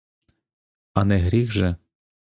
А не гріх же?